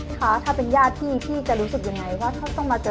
คะถ้าเป็นญาติพี่พี่จะรู้สึกยังไงว่าเขาต้องมาเจอ